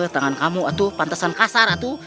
tangan kamu itu pantasan kasar itu